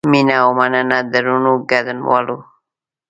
مینه او مننه درنو ګډونوالو.